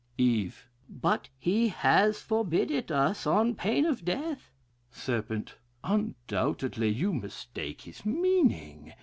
"Eve. But he has forbid it us on pain of death. "Serp. Undoubtedly you mistake his meaning.